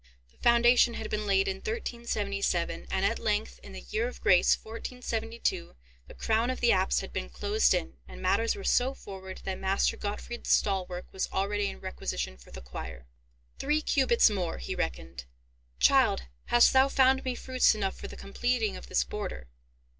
The foundation had been laid in 1377; and at length, in the year of grace 1472, the crown of the apse had been closed in, and matters were so forward that Master Gottfried's stall work was already in requisition for the choir. "Three cubits more," he reckoned. "Child, hast thou found me fruits enough for the completing of this border?"